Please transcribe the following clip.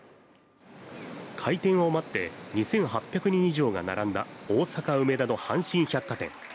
開店を待って２８００人以上が並んだ大阪・梅田の阪神百貨店。